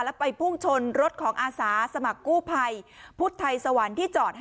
แล้วไปพุ่งชนรถของอาสาสมกู้ภัยพุทธไทยสวรรค์